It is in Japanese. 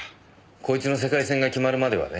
こいつの世界戦が決まるまではね。